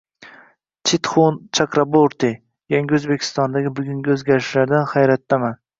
Mitxun Chakraborti: Yangi O‘zbekistondagi bugungi o‘zgarishlardan hayratdaman!